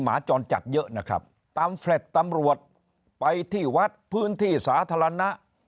หมาจรจัดเยอะนะครับตามแฟลต์ตำรวจไปที่วัดพื้นที่สาธารณะ